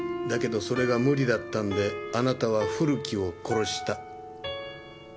だけどそれが無理だったんであなたは古木を殺した。